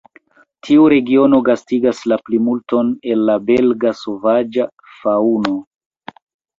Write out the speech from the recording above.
Tiu regiono gastigas la plimulton el la belga sovaĝa faŭno.